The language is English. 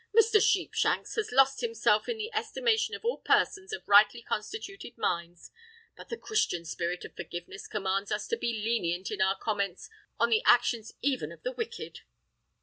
"Mr. Sheepshanks has lost himself in the estimation of all persons of rightly constituted minds; but the Christian spirit of forgiveness commands us to be lenient in our comments on the actions even of the wicked."